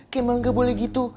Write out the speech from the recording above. kemal gak boleh gitu